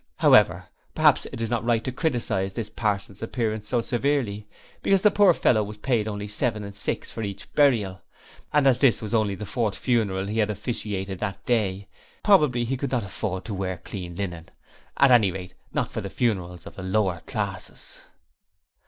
However, perhaps it is not right to criticize this person's appearance so severely, because the poor fellow was paid only seven and six for each burial, and as this was only the fourth funeral he had officiated at that day, probably he could not afford to wear clean linen at any rate, not for the funerals of the lower classes.